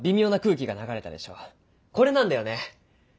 これなんだよね。